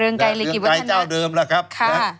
นายเรืองไกรลิกิบุธนาค่ะ